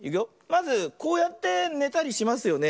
まずこうやってねたりしますよね。